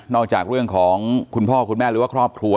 จากเรื่องของคุณพ่อคุณแม่หรือว่าครอบครัว